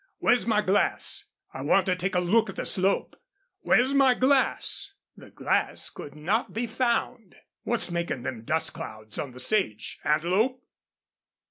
Where's my glass? I want to take a look at the slope. Where's my glass?" The glass could not be found. "What's makin' them dust clouds on the sage? Antelope?